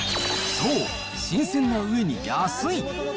そう、新鮮なうえに安い。